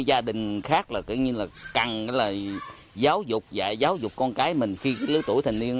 gia đình khác cũng như là cần giáo dục dạy giáo dục con cái mình khi lứa tuổi thành niên